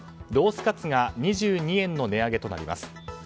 ロースカツが２２円の値上げとなります。